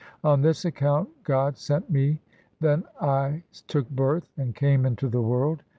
On this account God sent me. Then I took birth and came into the world.